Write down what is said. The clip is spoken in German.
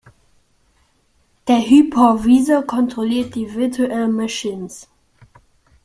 Der Hypervisor kontrolliert die Virtual Machines.